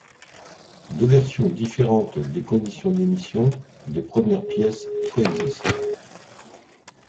Deux versions différentes des conditions d'émission des premières pièces coexistent.